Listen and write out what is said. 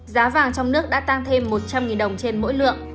giá vàng trong nước đã tăng thêm một trăm linh đồng trên mỗi lượng